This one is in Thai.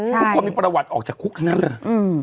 ทุกคนมีประวัติออกจากคุกทั้งนั้นเลย